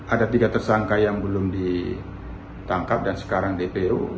ada tiga tersangka yang belum ditangkap dan sekarang dpo